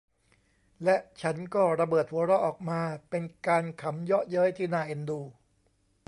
และฉันก็ระเบิดหัวเราะออกมา เป็นการขำเยาะเย้ยที่น่าเอ็นดู